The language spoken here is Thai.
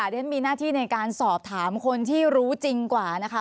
ฉันมีหน้าที่ในการสอบถามคนที่รู้จริงกว่านะคะ